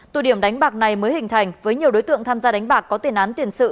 tụ điểm đánh bạc này mới hình thành với nhiều đối tượng tham gia đánh bạc có tiền án tiền sự